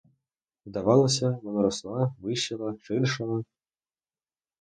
Здавалося, вона росла, вищала, ширшала.